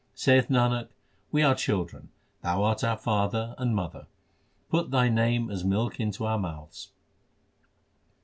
Saith Nanak, we are children ; Thou art our father and mother : put Thy name as milk into our mouths.